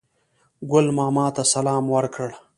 ګل ماما ته سلام ورکړ.